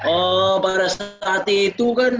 oh pada saat itu kan